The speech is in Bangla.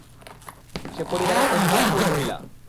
সে পরিবারের অধিকাংশই মহিলা।